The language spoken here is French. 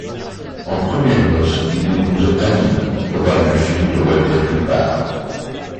En premières noces il épouse Aline, probable fille de Walter Pipard.